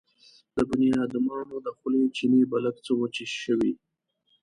د بنيادمانو د خولو چينې به لږ څه وچې شوې.